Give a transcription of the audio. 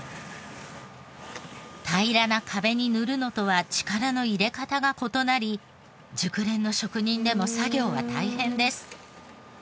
平らな壁に塗るのとは力の入れ方が異なり熟練の職人でも作業は大変です。